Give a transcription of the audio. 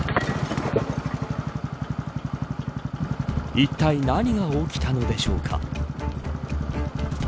いったい何が起きたのでしょうか。